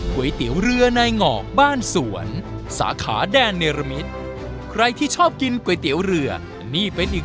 พี่ทานมันมีต้องบอกอะไร